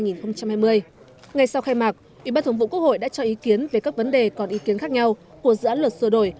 ngay sau khai mạc ủy ban thường vụ quốc hội đã cho ý kiến về các vấn đề còn ý kiến khác nhau của dự án luật sửa đổi